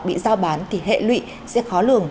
bị giao bán thì hệ lụy sẽ khó lường